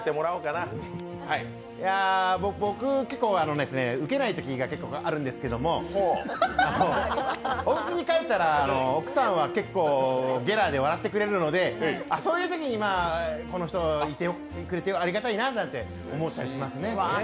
僕、ウケないときが結構あるんですけど、おうちに帰ったら奥さんは結構ゲラで笑ってくれるのでそういうときにこの人いてくれてありがたいななんて思ったりしますね。